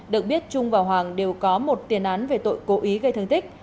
được biết trung và hoàng đều có một tiền án về tội cố ý gây thương tích